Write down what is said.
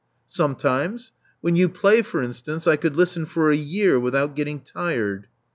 Sometimes. When you play, for instance, I could listen for a year without getting tired."